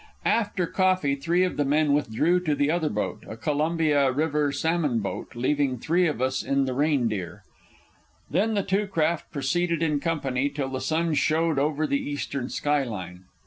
After coffee, three of the men withdrew to the other boat, a Columbia River salmon boat, leaving three of us in the Reindeer. Then the two craft proceeded in company till the sun showed over the eastern skyline.